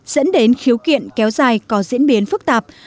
dẫn đến khiếu kiện kéo dài có diễn biến phức tạp